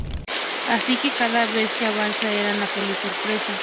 Así que cada vez que avanzaba era una feliz sorpresa.